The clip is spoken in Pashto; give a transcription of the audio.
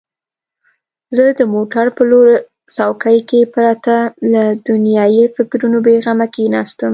زه د موټر په لوړ څوکۍ کې پرته له دنیايي فکرونو بېغمه کښېناستم.